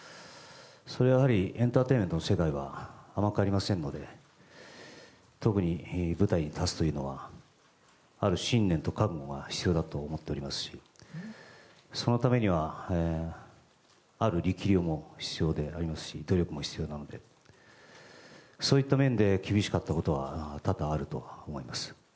それはエンターテインメントの世界は甘くありませんので特に、舞台に立つというのはある信念と覚悟が必要だと思っておりますしそのためにはある力量も必要でありますし努力も必要なのでそういった面で厳しかったことは多々あると思います。